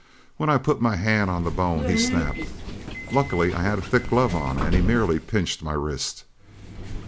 When I put my hand on the bone he snapped. Luckily I had a thick glove on and he merely pinched my wrist.